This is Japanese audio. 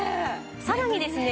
さらにですね